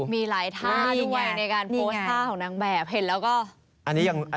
มีหลายท่าด้วยในการโพสต์ท่าของนางแบบเห็นแล้วก็อันนี้ยัง